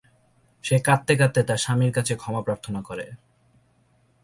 সে কাঁদতে কাঁদতে তার স্বামীর কাছে ক্ষমা প্রার্থনা করে।